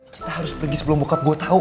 kita harus pergi sebelum bokap gue tau